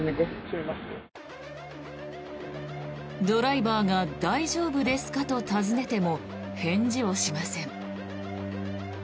ドライバーが大丈夫ですかと尋ねても返事をしません。